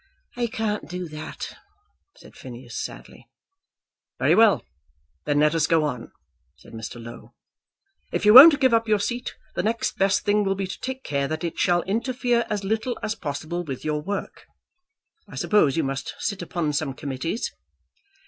"I can't do that," said Phineas, sadly. "Very well; then let us go on," said Mr. Low. "If you won't give up your seat, the next best thing will be to take care that it shall interfere as little as possible with your work. I suppose you must sit upon some Committees."